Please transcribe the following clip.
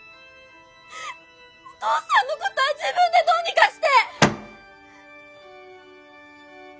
お父さんのことは自分でどうにかして！